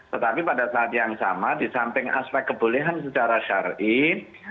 tetapi pada saat yang sama di samping aspek kebolehan secara syarif